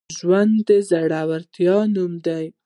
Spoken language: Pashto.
ژوند د زړورتیا نوم دی.